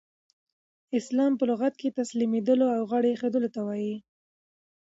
اسلام په لغت کښي تسلیمېدلو او غاړه ایښودلو ته وايي.